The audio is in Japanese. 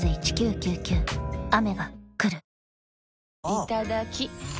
いただきっ！